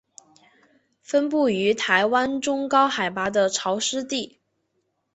分布于台湾中高海拔的潮湿地。